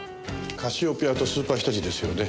カシオペアとスーパーひたちですよね。